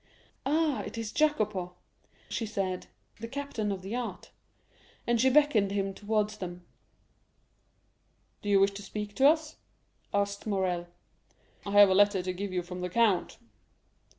"Ah, it is Jacopo," she said, "the captain of the yacht;" and she beckoned him towards them. "Do you wish to speak to us?" asked Morrel. "I have a letter to give you from the count."